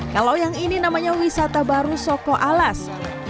kalau yang ini namanya wisata baru soko alas